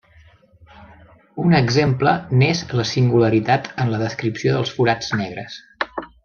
Un exemple n'és la singularitat en la descripció dels forats negres.